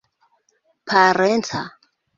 parenca